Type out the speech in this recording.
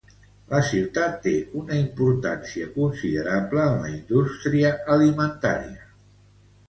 La ciutat té una importància considerable en la indústria alimentària.